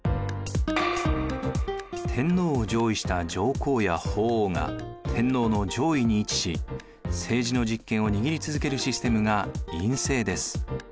天皇を譲位した上皇や法皇が天皇の上位に位置し政治の実権を握り続けるシステムが院政です。